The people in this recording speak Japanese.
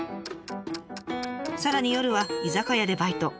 さらに夜は居酒屋でバイト。